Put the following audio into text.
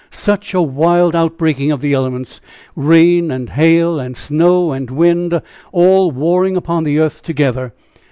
such a wild outbreaking of the elements! rain and hail, and snow and wind, all warring upon the earth together!